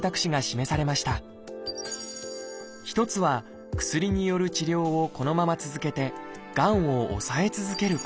一つは薬による治療をこのまま続けてがんを抑え続けること。